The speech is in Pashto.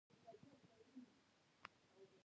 د وروځو د ډکیدو لپاره کوم تېل وکاروم؟